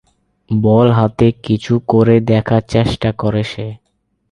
বল হাতে কিছু করে দেখার চেষ্টা করে সে।